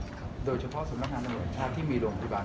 แล้วโดยเฉพาะสำนักงานตำรวจถ้าที่มีหลวงพยาบาล